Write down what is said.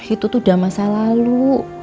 itu tuh udah masa lalu